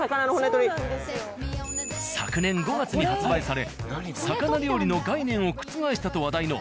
昨年５月に発売され魚料理の概念を覆したと話題の。